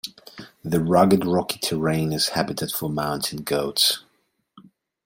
The rugged rocky terrain is habitat for mountain goats.